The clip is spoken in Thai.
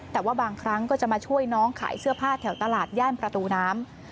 แต่ว่าบางครั้งก็จะมาช่วยน้องขายเสื้อผ้าแถวตลาดย่านประตูน้ำ